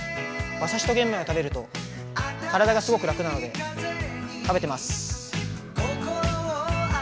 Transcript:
馬刺しと玄米を食べると体がすごい楽なので食べてます。